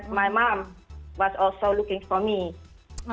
seperti ibu saya juga mencari saya